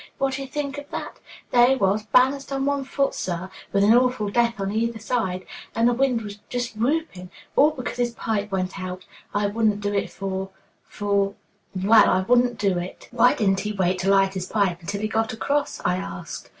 Wha'd' ye think of that? There he was, balanced on one foot, sir, with an awful death on either side, and the wind just whooping all because his pipe went out. I wouldn't do it for for Well, I wouldn't do it." "Why didn't he wait to light his pipe until he got across?" I asked.